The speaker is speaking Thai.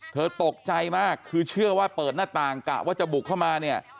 ตกใจมากคือเชื่อว่าเปิดหน้าต่างกะว่าจะบุกเข้ามาเนี่ย